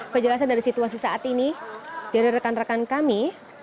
kejelasan dari situasi saat ini dari rekan rekan kami